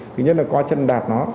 thứ nhất là qua chân đạt nó